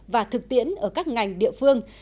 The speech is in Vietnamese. và thực tiễn ở các ngành địa phương